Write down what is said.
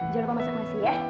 jangan lupa masak nasi ya